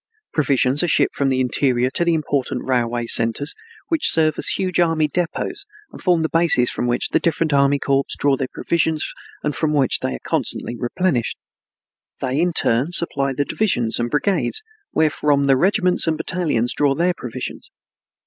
Provisions are shipped from the interior to the important railway centers, which serve as huge army depots and form the basis from which the different army corps draw their provisions and from which they are constantly replenished. They in turn supply the divisions and brigades wherefrom the regiments and battalions draw their provisions.